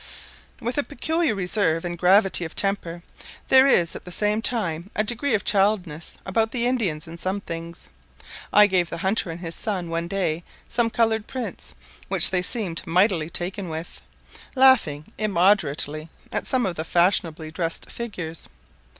With a peculiar reserve and gravity of temper, there is at the same time a degree of childishness about the Indians in some things. I gave the hunter and his son one day some coloured prints, which they seemed mightily taken with, laughing immoderately at some of the fashionably dressed figures.